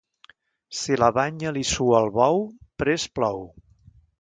Si la banya li sua al bou, prest plou.